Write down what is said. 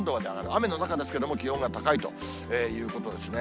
雨の中ですけれども、気温が高いということですね。